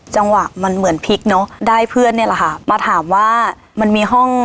จังหวะมันเหมือนพลิกเนอะได้เพื่อนเนี่ยแหละค่ะมาถามว่ามันมีห้อง